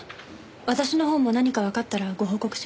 私のほうも何かわかったらご報告しますね。